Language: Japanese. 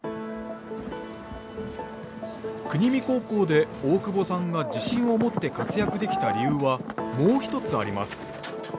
国見高校で大久保さんが自信を持って活躍できた理由はもう一つあります。